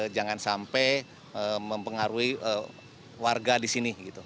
jangan sampai mempengaruhi warga di sini